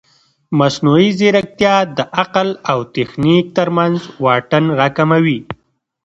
مصنوعي ځیرکتیا د عقل او تخنیک ترمنځ واټن راکموي.